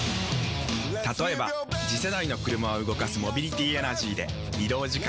例えば次世代の車を動かすモビリティエナジーでまジカ⁉人間！